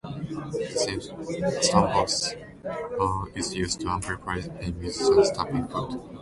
The stompbox is used to amplify a musician's tapping foot.